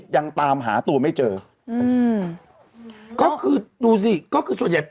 ยืนอีกรูป